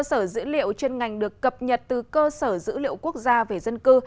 cơ sở dữ liệu chuyên ngành được cập nhật từ cơ sở dữ liệu quốc gia về dân cư